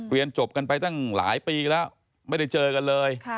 เรียนจบกันไปตั้งหลายปีแล้วไม่ได้เจอกันเลย